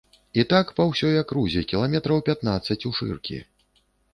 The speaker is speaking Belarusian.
І так па ўсёй акрузе кіламетраў пятнаццаць ушыркі.